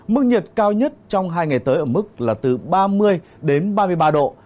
mức nhiệt cao nhất trong hai ngày tới ở mức là từ ba mươi đến ba mươi ba độ